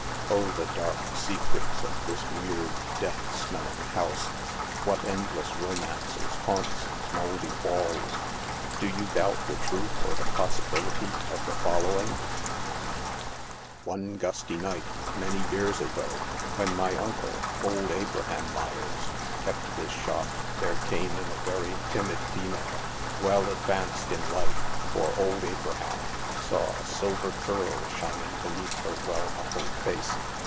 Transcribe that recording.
Oh, the dark secrets of this weird, death smelling house ! What endless romances haunts its mouldy walls ! Do you doubt the truth or the possibility of the following :" One gusty night, many years ago, when my uncle, old Abraham Meyers, kept this shop, there came in a very timid female, well ad vanced in life, for old Abraham saw a silver curl shining beneath her well muffled face.